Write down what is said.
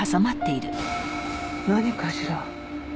何かしら？